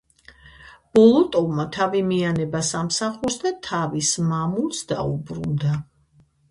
ბოლოტოვმა თავი მიანება სამსახურს და თავის მამულს დაუბრუნდა.